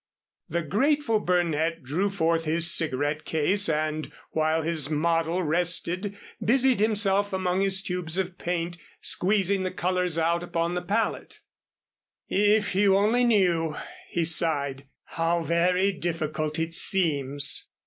The grateful Burnett drew forth his cigarette case and while his model rested busied himself among his tubes of paint, squeezing the colors out upon the palette. "If you only knew," he sighed, "how very difficult it seems."